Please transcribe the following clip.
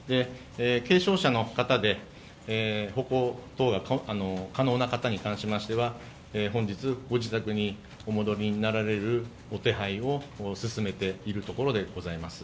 軽傷者の方で、歩行等が可能な方に対しましては本日、ご自宅にお戻りになられる手配を進めているところでございます。